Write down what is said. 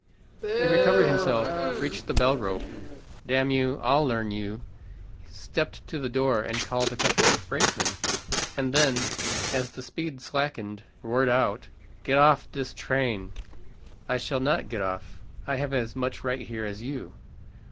He recovered himself, reached the bell rope, "Damn you, I'll learn you," stepped to the door and called a couple of brakemen, and then, as the speed slackened; roared out, "Get off this train." "I shall not get off. I have as much right here as you."